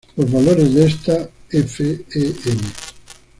Los valores de esta f.e.m.